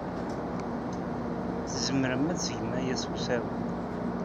Tzemrem ad tgem aya s usawal.